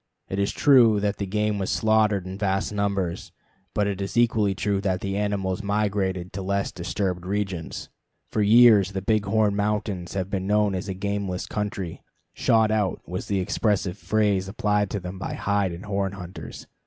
It is true that the game was slaughtered in vast numbers, but it is equally true that the animals migrated to less disturbed regions. For years the Big Horn Mountains have been known as a gameless country; "shot out" was the expressive phrase applied to them by hide and horn hunters.